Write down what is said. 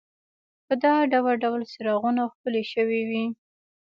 دا په ډول ډول څراغونو ښکلې شوې وې.